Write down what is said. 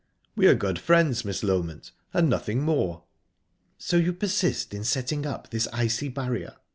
"We are good friends, Miss Loment, and nothing more." "So you persist in setting up this icy barrier?